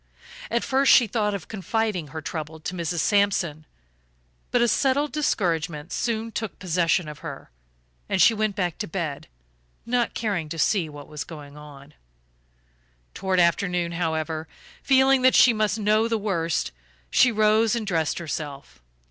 At first she thought of confiding her trouble to Mrs. Sampson, but a settled discouragement soon took possession of her and she went back to bed, not caring to see what was going on. Toward afternoon, however, feeling that she must know the worst, she rose and dressed herself.